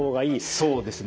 そうですね。